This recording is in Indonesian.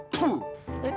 tuh tuh tuh